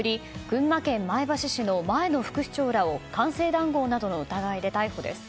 群馬県前橋市の前の副市長らを官製談合などの疑いで逮捕です。